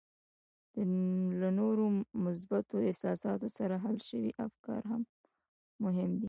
له نورو مثبتو احساساتو سره حل شوي افکار هم مهم دي